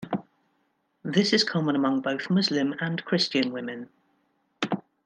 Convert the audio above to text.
This is common among both Muslim and Christian women.